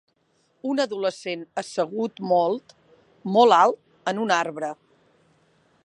Un adolescent assegut molt, molt alt en un arbre.